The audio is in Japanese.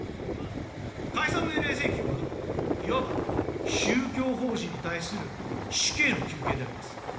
解散命令請求は、いわば宗教法人に対する死刑の求刑であります。